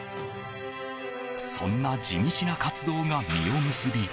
そんな地道な活動が実を結び